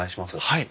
はい。